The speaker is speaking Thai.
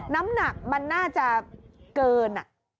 น้ำหนักมันน่าจะเกิน